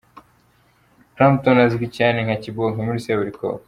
Clapton azwi cyane nka Kibonke muri Seburikoko.